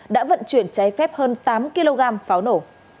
đã vận chuyển trái phép hơn tám kg pháo nổ